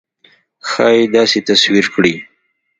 ښایي داسې تصویر کړي.